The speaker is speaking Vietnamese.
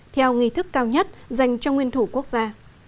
theo nghi thức cao nhất dành cho nguyên thủ quốc gia